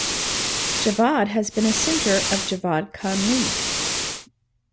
Javad has been a center of Javad Khanlig.